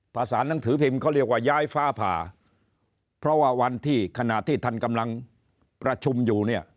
ภาษานังสือพิมพ์เขาเรียกว่าย้ายฟ้าผ่าเพราะว่าวันที่ขณะที่ท่านกำลังประชุมอยู่เนี่ย